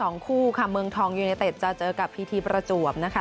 สองคู่ค่ะเมืองทองยูเนเต็ดจะเจอกับพีทีประจวบนะคะ